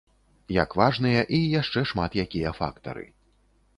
Як важныя і яшчэ шмат якія фактары.